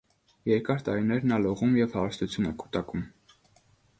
Երկար տարիներ նա լողում և հարստություն է կուտակում։